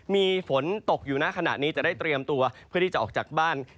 มีฝนตกอยู่นะขณะนี้จะได้เตรียมตัวเพื่อที่จะออกจากบ้าน